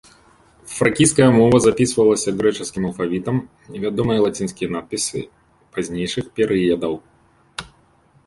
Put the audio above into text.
Фракійская мова запісвалася грэчаскім алфавітам, вядомыя лацінскія надпісы пазнейшых перыядаў.